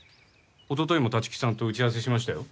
おとといも立木さんと打ち合わせしましたよ。